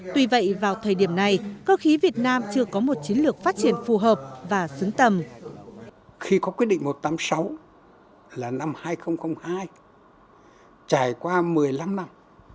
tuy vậy vào thời điểm này cơ khí việt nam chưa có một chiến lược phát triển phù hợp và xứng tầm